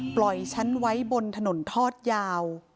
ปล่อยฉันไว้บนถนนทอดยาว